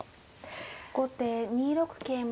後手２六桂馬。